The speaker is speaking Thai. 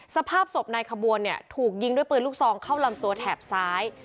สภาพศพนายขบวนเนี่ยถูกยิงด้วยปืนลูกซองเข้าลำตัวแถบซ้าย